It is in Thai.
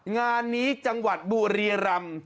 งานนี้จังหวัดบุรียรำ